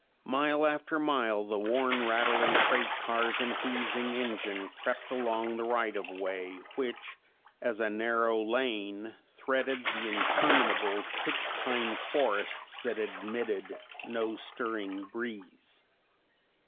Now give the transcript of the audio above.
Mile after mile the worn, rattling freight cars and wheezing engine crept along the right of way, which, as a narrow lane, threaded the interminable pitch pine forests that admitted no stirring breeze.